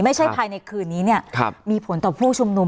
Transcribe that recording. ภายในคืนนี้เนี่ยมีผลต่อผู้ชุมนุม